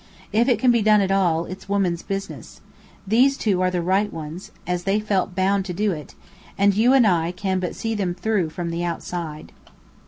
If it can be done at all, it's woman's business. These two are the right ones, as they felt bound to do it, and you and I can but see them through, from the outside."